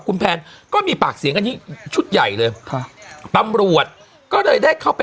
คุณแพนก็มีปากเสียงกันที่ชุดใหญ่เลยค่ะตำรวจก็เลยได้เข้าไป